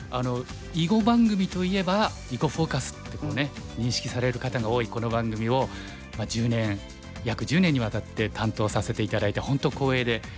囲碁番組といえば「囲碁フォーカス」って認識される方が多いこの番組を１０年約１０年にわたって担当させて頂いて本当光栄で。